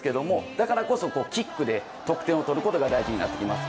だからこそキックで得点を取ることが大事になります。